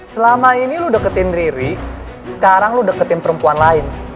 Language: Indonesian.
selama ini lo deketin riri sekarang lo deketin perempuan lain